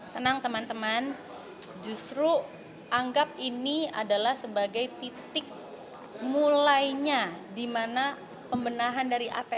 tenang teman teman justru anggap ini adalah sebagai titik mulainya di mana pembenahan dari atm